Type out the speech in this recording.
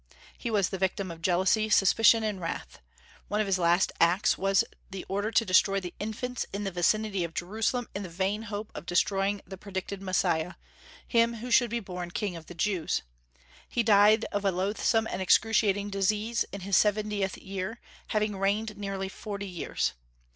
He was the victim of jealousy, suspicion, and wrath. One of his last acts was the order to destroy the infants in the vicinity of Jerusalem in the vain hope of destroying the predicted Messiah, him who should be "born king of the Jews." He died of a loathsome and excruciating disease, in his seventieth year, having reigned nearly forty years.